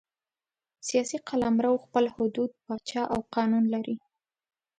سیاسي قلمرو خپل حدود، پاچا او قانون لري.